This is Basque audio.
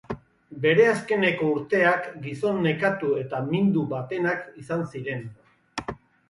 Bere azkeneko urteak gizon nekatu eta mindu batenak izan ziren.